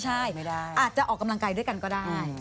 ใช่อาจจะออกกำลังกายด้วยกันก็ได้